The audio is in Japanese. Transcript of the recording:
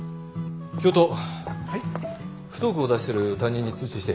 不登校を出してる担任に通知して。